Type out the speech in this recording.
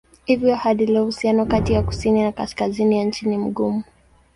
Hivyo hadi leo uhusiano kati ya kusini na kaskazini ya nchi ni mgumu.